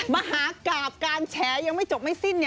มหากราบการแฉยังไม่จบไม่สิ้น